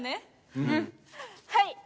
はい！